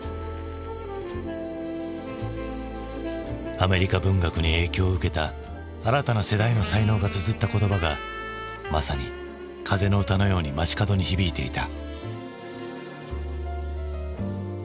アメリカ文学に影響を受けた新たな世代の才能がつづった言葉がまさに「風の歌」のように街角に響いていた。